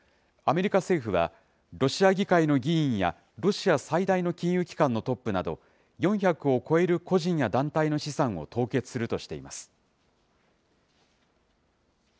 アメリカ政府は、ロシア議会の議員やロシア最大の金融機関のトップなど、４００を超える個人や団体の資産を凍結するとしています。